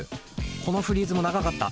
このフリーズも長かった。